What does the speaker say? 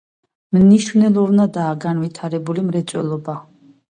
მნიშვნელოვნადაა განვითარებული მრეწველობა.